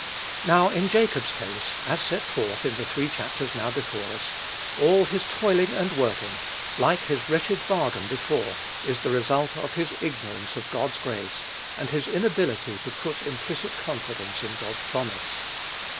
Now, in Jacob's case, as set forth in the three chapters now before us, all his toiling and working, like his wretched bargain before, is the result of his ignorance of God's grace, and his inability to put implicit confidence in God's promise.